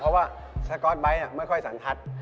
เพราะว่าสก๊อตไบท์ไม่ค่อยสันทัศน์